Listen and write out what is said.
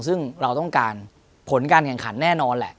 ซึ่งเราต้องการผลการแข่งขันแน่นอนแหละ